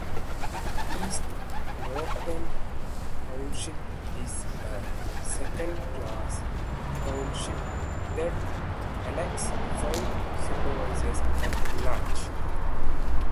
East Norriton Township is a second-class township that elects five supervisors at-large.